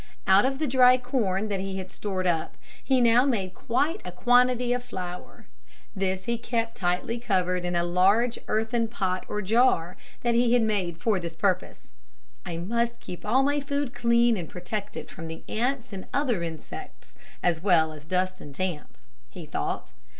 Out of the dry corn that he had stored up he now made quite a quantity of flour. This he kept tightly covered in a large earthen pot or jar that he had made for this purpose. "I must keep all my food clean and protect it from the ants and other insects as well as dust and damp," he thought.